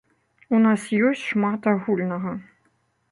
У нас ёсць шмат агульнага.